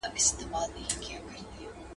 د بشر حقوق مراعات کړو.